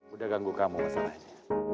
udah ganggu kamu masalahnya